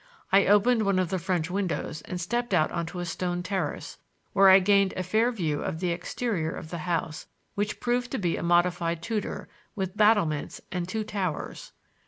I opened one of the French windows and stepped out on a stone terrace, where I gained a fair view of the exterior of the house, which proved to be a modified Tudor, with battlements and two towers.